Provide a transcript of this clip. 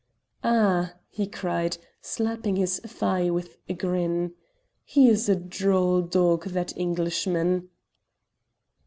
"Ah," he cried, slapping his thigh with a grin, "he is a droll dog, that Englishman."